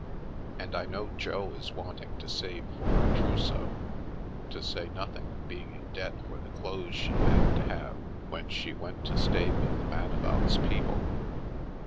And I know Jo is wanting to save for her trous 208 Pan at Covent Garden seau, to say nothing of being in debt for the clothes she had to have when she went to stay with the Man about's people."